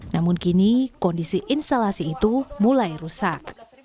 namun kini kondisi instalasi itu mulai rusak